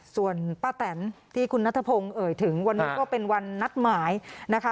ส่วนป้าแตนที่คุณนัทพงศ์เอ่ยถึงวันนี้ก็เป็นวันนัดหมายนะคะ